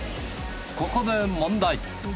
ここで問題。